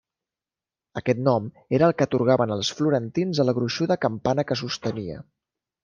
Aquest nom era el que atorgaven els florentins a la gruixuda campana que sostenia.